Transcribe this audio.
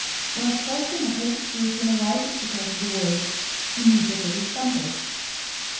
When oppression or persecution arises because of the word, immediately he stumbles.